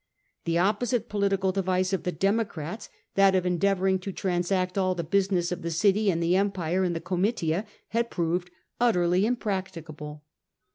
The opposite political device of the Democrats, that of endeavouring to transact all the business of the city and the empire in the Comitia, had proved utterly impracticable.